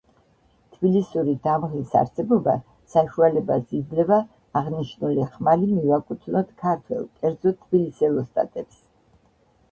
თბილისური დამღის არსებობა საშუალებას იძლევა აღნიშნული ხმალი მივაკუთვნოთ ქართველ, კერძოდ თბილისელ ოსტატებს.